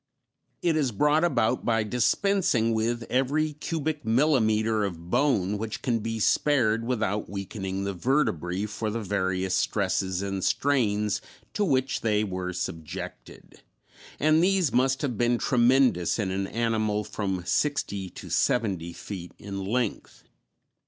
It is brought about by dispensing with every cubic millimeter of bone which can be spared without weakening the vertebræ for the various stresses and strains to which they were subjected, and these must have been tremendous in an animal from sixty to seventy feet in length.